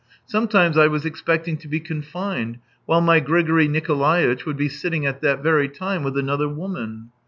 ... Sometimes I was expect ing to be confined while my Grigory Nikolaitch would be sitting at that very time with another woman.